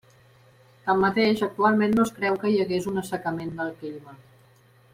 Tanmateix actualment no es creu que hi hagués un assecament del clima.